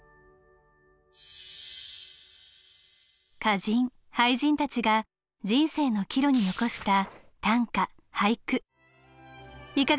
歌人・俳人たちが人生の岐路に残した短歌・俳句いかがでしたか？